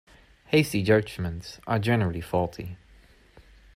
Hasty judgements are generally faulty.